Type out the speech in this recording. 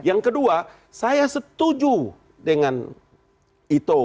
yang kedua saya setuju dengan itu